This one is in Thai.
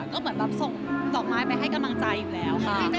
ก็เหมือนแบบส่งดอกไม้ไปให้กำลังใจอยู่แล้วค่ะ